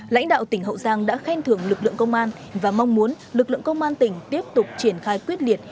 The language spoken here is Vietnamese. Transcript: lãnh đạo tỉnh hậu giang đã khen thưởng lực lượng công an và mong muốn lực lượng công an tỉnh tiếp tục triển khai quyết liệt